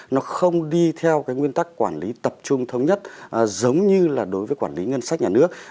nó không đi theo cái nguyên tắc quản lý tập trung thống nhất giống như là đối với quản lý ngân sách nhà nước